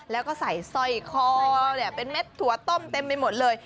แล้วก็ใส่สร้อยคอเป็นเม็ดถั่วต้มเต็มไปหมดเลย